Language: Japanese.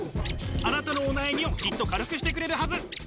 あなたのお悩みをきっと軽くしてくれるはず。